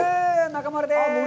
中丸です。